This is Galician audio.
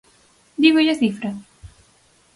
¿Dígolle a cifra?